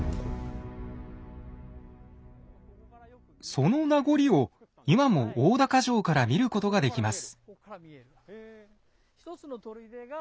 その名残を今も大高城から見ることができます。